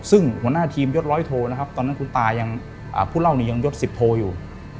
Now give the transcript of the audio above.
ซึ่งหัวหน้าทีมยดร้อยโทนะครับตอนนั้นคุณตายังผู้เล่านี้ยังยดสิบโทอยู่